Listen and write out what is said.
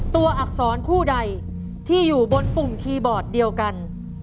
อักษรคู่ใดที่อยู่บนปุ่มคีย์บอร์ดเดียวกัน